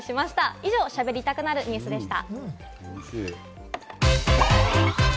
以上、「しゃべりたくなるニュス」でした。